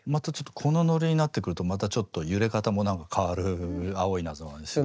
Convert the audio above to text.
このノリになってくるとまたちょっと揺れ方もなんか変わる「青いイナズマ」ですよね。